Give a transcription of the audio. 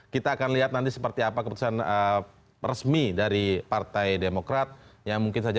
kita akan lihat nanti seperti apa keputusan resmi dari partai demokrat yang mungkin saja